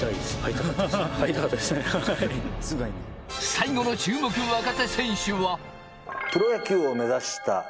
最後の注目若手選手は。